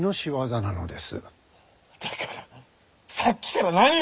だからさっきから何を。